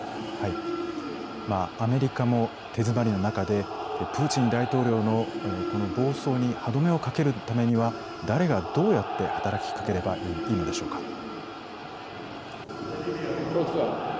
アメリカも手詰まりな中でプーチン大統領の暴走に歯止めをかけるためには誰がどうやって働きかければいいのでしょうか。